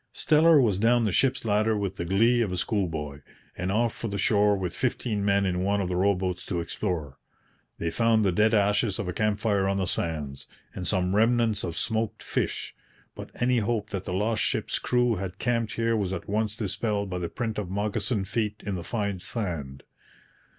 Steller was down the ship's ladder with the glee of a schoolboy, and off for the shore with fifteen men in one of the row boats to explore. They found the dead ashes of a camp fire on the sands, and some remnants of smoked fish; but any hope that the lost ship's crew had camped here was at once dispelled by the print of moccasined feet in the fine sand.